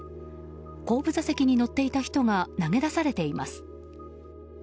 後部座席に乗っていた人が投げ出されています。